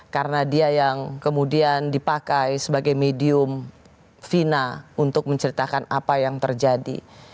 karena dia yang kemudian dipakai sebagai medium vina untuk menceritakan apa yang terjadi